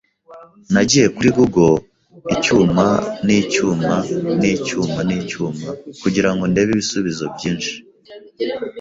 Nagiye kuri google "icyuma n 'icyuma" n "" icyuma n icyuma "kugirango ndebe ibisubizo byinshi.